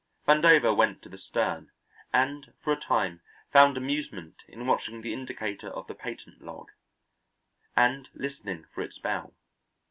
Vandover went to the stern and for a time found amusement in watching the indicator of the patent log, and listening for its bell.